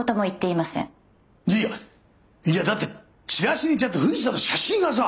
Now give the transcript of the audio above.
いやいやだってチラシにちゃんと富士山の写真がさ。